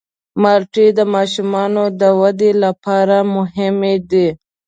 مالټې د ماشومانو د ودې لپاره مهمې دي.